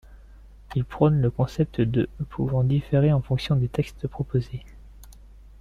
Il prône le concept de pouvant différer en fonction des textes proposés.